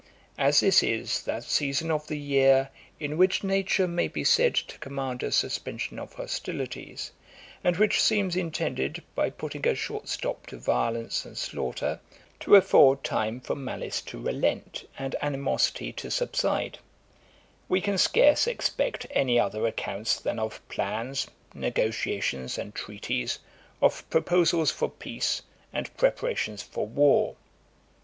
'As this is that season of the year in which Nature may be said to command a suspension of hostilities, and which seems intended, by putting a short stop to violence and slaughter, to afford time for malice to relent, and animosity to subside; we can scarce expect any other accounts than of plans, negotiations and treaties, of proposals for peace, and preparations for war.'